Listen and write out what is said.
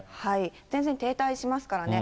前線停滞しますからね。